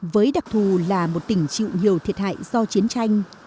với đặc thù là một tỉnh chịu nhiều thiệt hại do chiến tranh